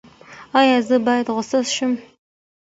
ایا زه باید غوسه شم؟